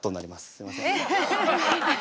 すいません。